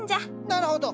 なるほど。